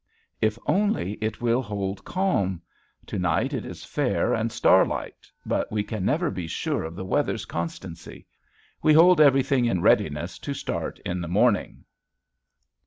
If only it will hold calm! To night it is fair and starlight but we can never be sure of the weather's constancy. We hold everything in readiness to start in the morning.